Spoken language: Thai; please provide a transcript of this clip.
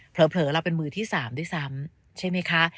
เราเป็นมือที่๓ด้วยซ้ำใช่ไหมคะ